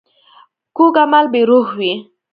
کوږ عمل بې روح وي